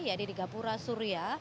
ya ini di gapura surya